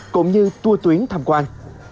cũng như tua tuyến tham quan